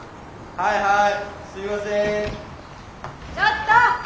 はいはい。